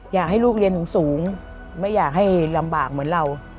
อยากให้ลูกเรียนสูงไม่อยากให้ลำบากเหมือนเรา